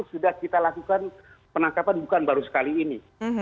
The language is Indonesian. sudah kita lakukan penangkapan bukan baru sekali ini